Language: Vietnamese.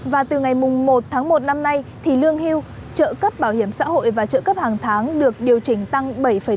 và từ ngày một tháng một năm nay thì lương hưu trợ cấp bảo hiểm xã hội và trợ cấp hàng tháng được điều chỉnh tăng bảy chín